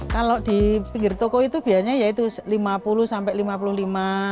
kalau di pinggir toko itu biasanya ya itu lima puluh sampai lima puluh lima